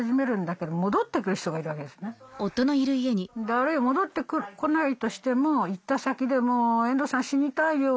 あるいは戻ってこないとしても行った先で「もう遠藤さん死にたいよ。